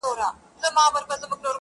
چي قاضي ته چا ورکړئ دا فرمان دی,